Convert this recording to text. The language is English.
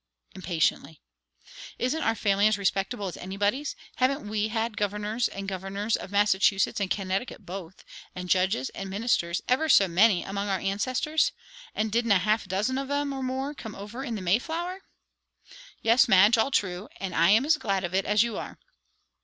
impatiently. "Isn't our family as respectable as anybody's? Haven't we had governors and governors, of Massachusetts and Connecticut both; and judges and ministers, ever so many, among our ancestors? And didn't a half dozen of 'em, or more, come over in the 'Mayflower'?" "Yes, Madge; all true; and I am as glad of it as you are."